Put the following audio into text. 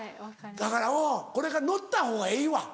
だからおうこれから乗ったほうがええわ。